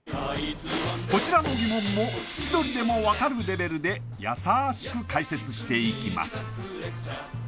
こちらの疑問も千鳥でも分かるレベルでやさしく解説していきます